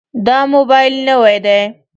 دا موبایل نوی دی.